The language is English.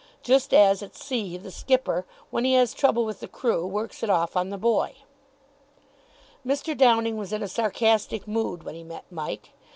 Just as, at sea, the skipper, when he has trouble with the crew, works it off on the boy. Mr. Downing was in a sarcastic mood when he met Mike.